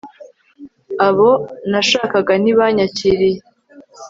abo nashakaga ntibanyakiriye